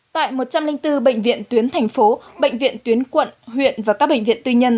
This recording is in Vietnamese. tại một trăm linh bốn bệnh viện tuyến thành phố bệnh viện tuyến quận huyện và các bệnh viện tư nhân